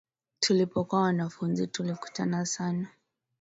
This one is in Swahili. Tulipokuwa wanafunzi tulikutana sana